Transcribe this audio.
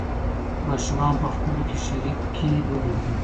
ماشومان په خپلو کې شریکې لوبې کوي.